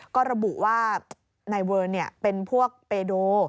ก็ระบุว่านายเวิร์นเป็นพวกเปโด